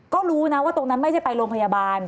ก็รู้นะว่าตรงนั้นไม่ได้ไปโรงพยาบาล